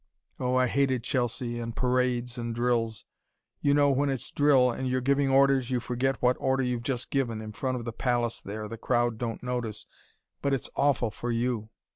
Oh, I hated Chelsea, and parades, and drills. You know, when it's drill, and you're giving orders, you forget what order you've just given in front of the Palace there the crowd don't notice but it's AWFUL for you.